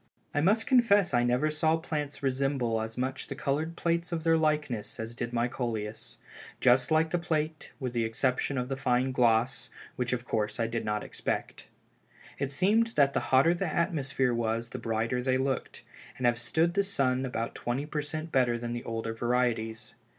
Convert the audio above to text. "I must confess I never saw plants resemble as much the colored plates of their likeness, as did my Coleus; just like the plate with the exception of the fine gloss, which of course I did not expect. It seemed that the hotter the atmosphere was the brighter they looked, and have stood the sun about twenty per cent better than the older varieties.